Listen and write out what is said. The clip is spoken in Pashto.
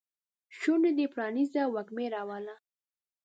شونډې دې پرانیزه وږمې راوله